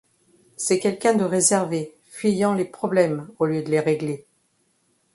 C'est quelqu'un de réservé, fuyant les problèmes au lieu de les régler.